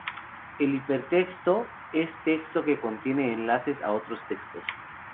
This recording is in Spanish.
El hipertexto es texto que contiene enlaces a otros textos.